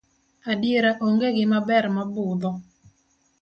Adiera onge gima ber mabudho.